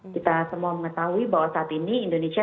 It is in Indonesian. kita semua mengetahui bahwa saat ini indonesia